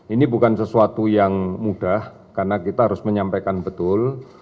ini bukan sesuatu yang mudah karena kita harus menyampaikan betul